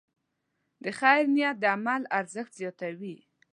د خیر نیت د عمل ارزښت زیاتوي.